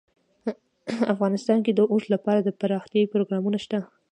افغانستان کې د اوښ لپاره دپرمختیا پروګرامونه شته.